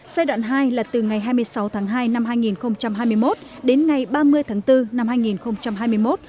giai đoạn hai là từ ngày hai mươi sáu tháng hai năm hai nghìn hai mươi một đến ngày ba mươi tháng bốn năm hai nghìn hai mươi một